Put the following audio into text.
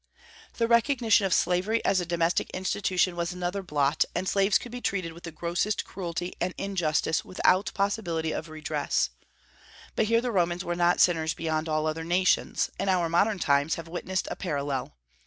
The recognition of slavery as a domestic institution was another blot, and slaves could be treated with the grossest cruelty and injustice without possibility of redress. But here the Romans were not sinners beyond all other nations, and our modern times have witnessed a parallel.